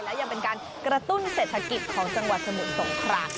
และยังเป็นการกระตุ้นเศรษฐกิจของสมุนสงคราม